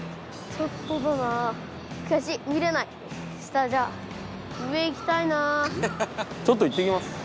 ちょっと行ってきます。